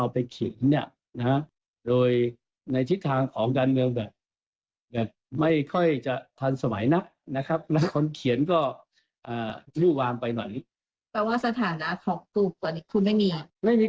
แปลว่าสถานะของกลุ่มตอนนี้คุณไม่มี